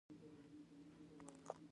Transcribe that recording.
بادام د افغانستان د زرغونتیا نښه ده.